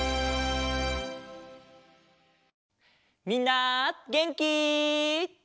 みんなげんき？